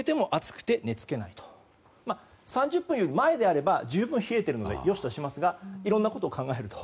３０分よりも前であれば十分冷えていますのでよしとしますがいろいろなことを考えると。